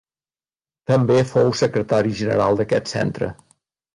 També fou secretari general d'aquest centre.